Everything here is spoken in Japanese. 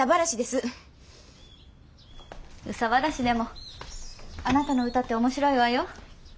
憂さ晴らしでもあなたの歌って面白いわよ。